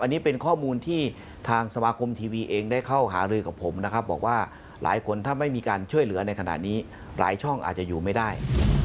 อันนี้เป็นข้อมูลที่ทางสมาคมทีวีเองได้เข้าหารือกับผมนะครับบอกว่าหลายคนถ้าไม่มีการช่วยเหลือในขณะนี้หลายช่องอาจจะอยู่ไม่ได้